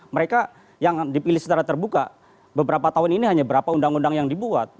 mereka yang dipilih secara terbuka beberapa tahun ini hanya berapa undang undang yang dibuat